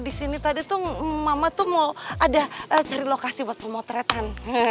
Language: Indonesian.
di sini tadi tuh mama tuh mau ada cari lokasi buat pemotretan